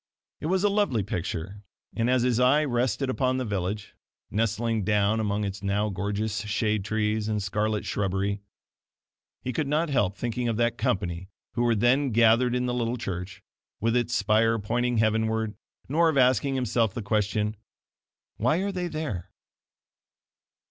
It was a lovely picture; and as his eye rested upon the village, nestling down among its now gorgeous shade trees and scarlet shrubbery, he could not help thinking of that company who were then gathered in the little church, with its spire pointing heavenward nor of asking himself the question: "Why are they there?"